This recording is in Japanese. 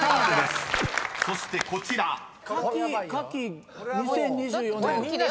［そしてこちら］夏季２０２４年。